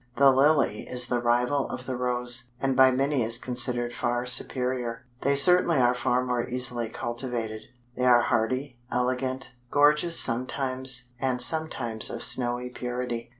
The Lily is the rival of the Rose, and by many is considered far superior. They certainly are far more easily cultivated. They are hardy, elegant, gorgeous sometimes, and sometimes of snowy purity.